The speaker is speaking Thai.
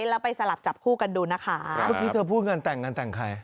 แล้วไปสลับจับคู่กันดูนะคะเดี๋ยวพูดงานแต่งนั้นแต่งใคร